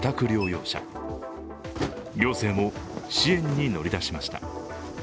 行政も支援に乗り出しました。